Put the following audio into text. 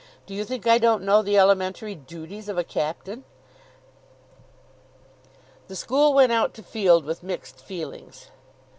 "Do you think I don't know the elementary duties of a captain?" The school went out to field with mixed feelings.